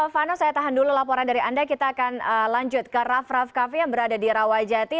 vano saya tahan dulu laporan dari anda kita akan lanjut ke raff raff kaffi yang berada di rawajati